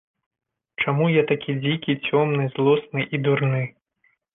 Чаму я такі дзікі, цёмны, злосны і дурны?